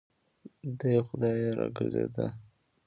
دی خوا يې راګرځېده.